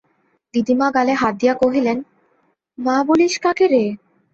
দিদিমা গালে হাত দিয়া কহিলেন, মা বলিস কাকে রে!